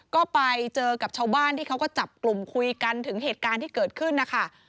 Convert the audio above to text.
ก็ไปเจอกับชาวบ้านที่เขาก็จับกลุ่มคุยกันถึงเหตุการณ์ที่เกิดขึ้นนะคะ